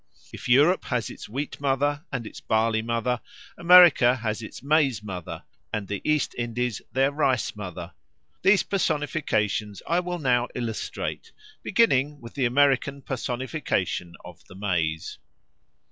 If Europe has its Wheat mother and its Barley mother, America has its Maize mother and the East Indies their Rice mother. These personifications I will now illustrate, beginning with the American personification of the maize.